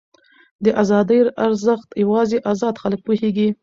د ازادۍ ارزښت یوازې ازاد خلک پوهېږي.